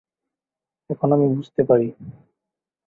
এখন আমি বুঝতে পারি।